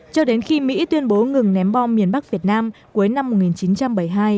cho đến khi mỹ tuyên bố ngừng ném bom miền bắc việt nam cuối năm một nghìn chín trăm bảy mươi hai